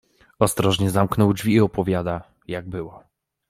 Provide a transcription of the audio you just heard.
Ostrożnie zamknął drzwi i opowiada, jak było.